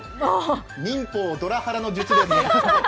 忍法ドラハラの術です。